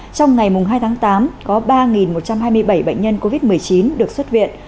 trong ngày hai tháng tám có ba một trăm hai mươi bảy bệnh nhân covid một mươi chín được xuất viện